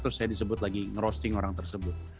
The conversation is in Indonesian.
terus saya disebut lagi nge roasting orang tersebut